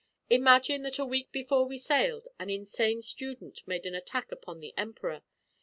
"Imagine that a week before we sailed, an insane student made an attack upon the Emperor.